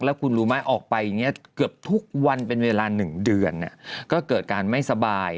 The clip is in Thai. แล้วคุณรู้ไหมออกไปเกือบทุกวันเป็นเวลาหนึ่งเดือนเนี่ยก็เกิดการไม่สบาย